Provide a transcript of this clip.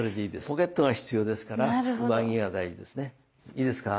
ポケットが必要ですから上着は大事ですねいいですか？